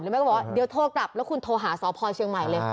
แม่ก็บอกว่าเดี๋ยวโทรกลับแล้วคุณโทรหาสพเชียงใหม่เลย